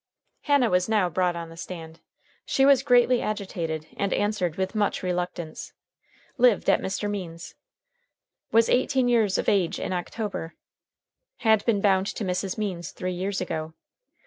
Hannah was now brought on the stand. She was greatly agitated, and answered with much reluctance. Lived at Mr. Means's. Was eighteen years of age in October. Had been bound to Mrs. Means three years ago.